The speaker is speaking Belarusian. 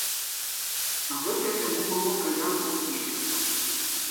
На выгляд яму было каля двух месяцаў.